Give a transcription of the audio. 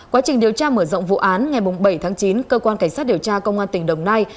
quá trình điều tra mở rộng vụ án ngày bảy tháng chín cơ quan cảnh sát điều tra công an tỉnh đồng nai